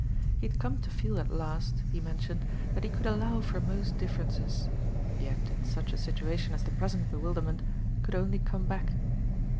He had come to feel at last, he mentioned, that he could allow for most differences; yet in such a situation as the present bewilderment could only come back.